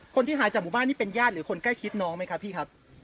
คนที่หายจากหมู่บ้านนี้เป็นแย่นหรือใกล้ขิดน้องมั้ยครับ